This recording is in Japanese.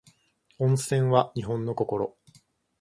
温泉は日本の心